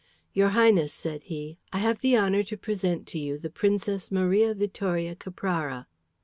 "Your Highness," said he, "I have the honour to present to you the Princess Maria Vittoria Caprara."